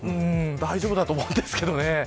大丈夫だと思うんですけどね。